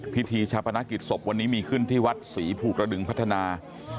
พิธีชาปนกิจศพวันนี้มีขึ้นที่วัดศรีภูกระดึงพัฒนา